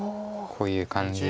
こういう感じで。